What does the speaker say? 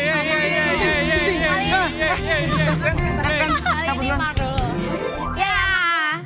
kali ini mar dulu